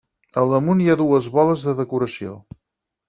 Al damunt hi ha dues boles de decoració.